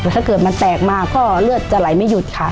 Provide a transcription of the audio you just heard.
ถ้าเกิดมันแตกมาก็เลือดจะไหลไม่หยุดค่ะ